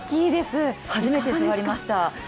初めて座りました。